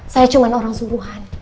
saya cuma orang suruhan